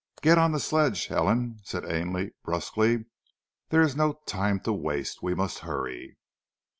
"Get on the sledge, Helen," said Ainley, brusquely. "There is no time to waste. We must hurry."